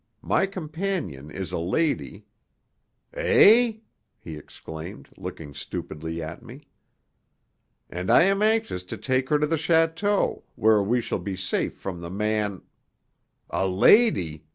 My companion is a lady " "Eh?" he exclaimed, looking stupidly at me. "And I am anxious to take her to the château, where we shall be safe from the man " "A lady!"